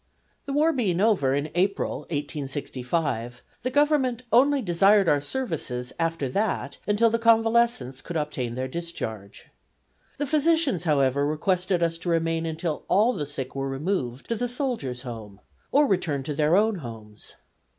The war being over in April, 1865, the Government only desired our services after that until the convalescents could obtain their discharge. The physicians, however, requested us to remain until all the sick were removed to the Soldiers' Home, or returned to their own homes.